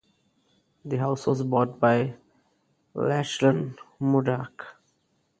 The house was bought by Lachlan Murdoch.